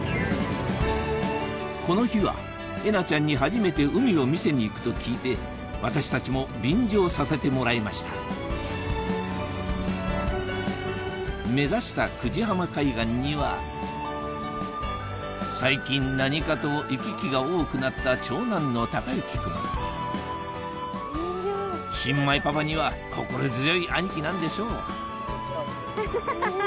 この日はえなちゃんに初めて海を見せに行くと聞いて私たちも便乗させてもらいました目指した久慈浜海岸には最近何かと行き来が多くなった長男の孝之君新米パパには心強い兄貴なんでしょうハハハハハハ。